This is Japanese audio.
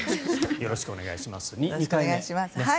よろしくお願いします。